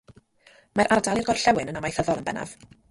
Mae'r ardal i'r gorllewin yn amaethyddol yn bennaf.